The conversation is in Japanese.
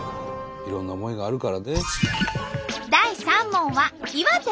いろんな思いがあるからね。